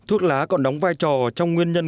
thuốc lá còn đóng vai trò trong nguyên nhân